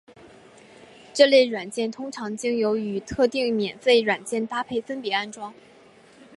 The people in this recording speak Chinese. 这类软件通常经由与特定免费软件搭配分别安装。